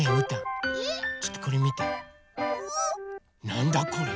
なんだこれ？